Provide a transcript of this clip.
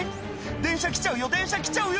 電車来ちゃうよ電車来ちゃうよ！